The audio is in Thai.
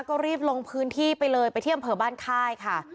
ก็รีบลงพื้นที่ไปเลยไปที่อำเภอบ้านค่ายค่ะ